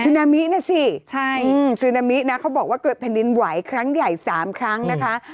นามิน่ะสิซึนามินะเขาบอกว่าเกิดแผ่นดินไหวครั้งใหญ่๓ครั้งนะคะ